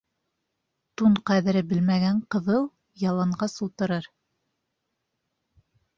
Тун ҡәҙере белмәгән ҡыҙыл яланғас ултырыр